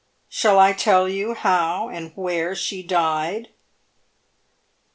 Shall I tell you how and where she died